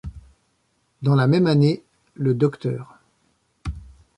Dans la même année, le Dr.